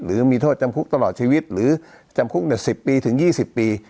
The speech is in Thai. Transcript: หรือมีโทษจำคุกตลอดชีวิตหรือจำคุก๑๐ปีถึง๒๐ปี